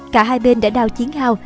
cả hai bên đã đào chiến hào